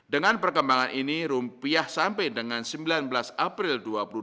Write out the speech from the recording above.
dengan perkembangan ini rupiah sampai dengan sembilan belas april dua ribu dua puluh